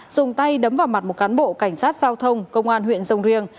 dùng tay đấm vào mặt một cán bộ cảnh sát giao thông công an huyện dông riêng